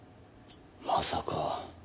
まさか。